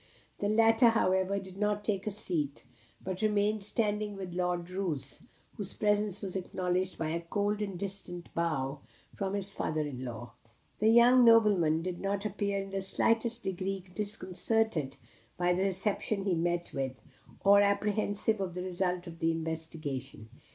The latter, however, did not take a seat, but remained standing with Lord Roos, whose presence was acknowledged by a cold and distant bow from his father in law. The young nobleman did not appear in the slightest degree disconcerted by the reception he met with, or apprehensive of the result of the investigation.